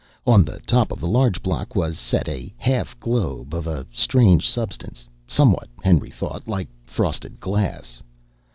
On the top of the large block was set a half globe of a strange substance, somewhat, Henry thought, like frosted glass.